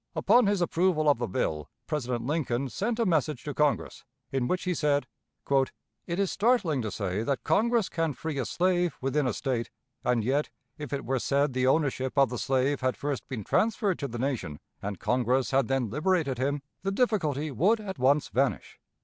Upon his approval of the bill, President Lincoln sent a message to Congress, in which he said: "It is startling to say that Congress can free a slave within a State, and yet, if it were said the ownership of the slave had first been transferred to the nation, and Congress had then liberated him, the difficulty would at once vanish.